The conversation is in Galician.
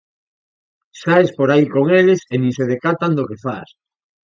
Saes por aí con eles e nin se decatan do que fas.